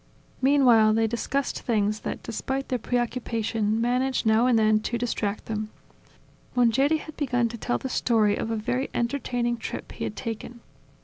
Meanwhile they discussed things that, despite their preoccupation, managed now and then to distract them. Mongeri had begun to tell the story of a very entertaining trip he had taken.